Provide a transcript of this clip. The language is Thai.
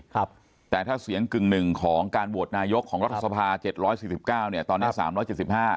ครับแต่ถ้าเสียงกึ่งหนึ่งของการบวชนายกของรัฐสภา๗๔๙เนี่ยตอนนี้๓๗๕